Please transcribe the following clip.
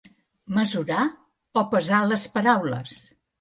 Mesurar o pesar les paraules.